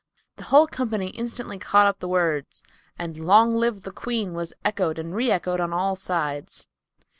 The whole company instantly caught up the words, and "Long live the Queen" was echoed and re echoed on all sides.